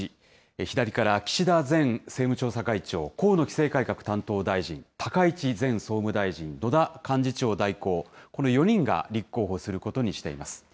左から岸田前政務調査会長、河野規制改革担当大臣、高市前総務大臣、野田幹事長代行、この４人が立候補することにしています。